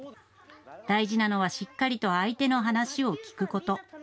大事なのはしっかりと相手の話を聞くこと。